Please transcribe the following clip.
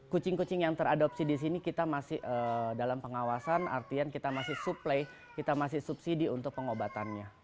kucing kucing yang teradopsi di sini kita masih dalam pengawasan artian kita masih supply kita masih subsidi untuk pengobatannya